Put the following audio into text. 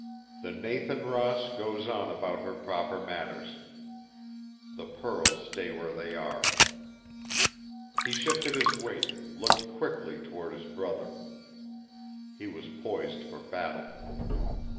The Nathan Ross goes on about her proper matters. The pearls stay where they are." He shifted his weight, looked quickly toward his brother.... He was poised for battle.